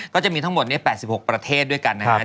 ก็จะมีทั้งหมด๘๖ประเทศด้วยกันนะครับ